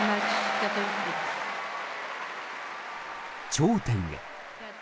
頂点へ。